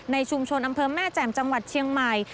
ในชุมชนอำเภอแม่แจ่มจังหวัดเชียงใหม่